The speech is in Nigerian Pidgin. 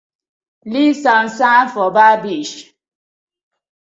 Leave sand sand for bar beach.